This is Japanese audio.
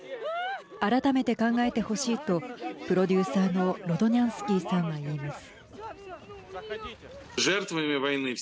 改めて考えてほしいとプロデューサーのロドニャンスキーさんは言います。